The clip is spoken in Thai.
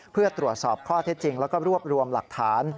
เพื่อตรวจสอบข้อเท็จจริงแล้วก็รวบรวมหลักฐาน